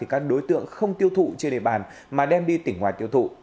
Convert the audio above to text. các đối tượng không tiêu thụ trên địa bàn mà đem đi tỉnh ngoài tiêu thụ